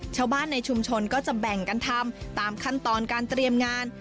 ชาวบ้านในชุมชนก็จะแบ่งกันทำตามขั้นตอนการเตรียมงาน